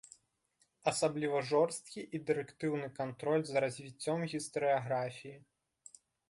Асабліва жорсткі і дырэктыўны кантроль за развіццём гістарыяграфіі.